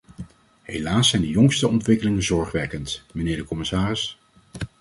Helaas zijn de jongste ontwikkelingen zorgwekkend, mijnheer de commissaris.